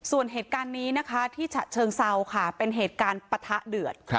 ส่วนเหตุการณ์นี้นะคะที่ฉะเชิงเซาค่ะเป็นเหตุการณ์ปะทะเดือด